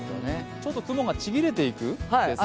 ちょっと雲がちぎれていくんですか。